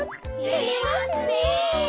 てれますねえ。